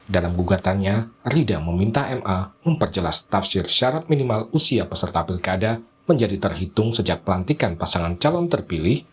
dalam gugatannya rida meminta ma memperjelas tafsir syarat minimal usia peserta pilkada menjadi terhitung sejak pelantikan pasangan calon terpilih